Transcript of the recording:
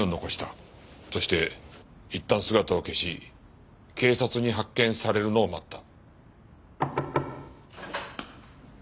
そしていったん姿を消し警察に発見されるのを待った。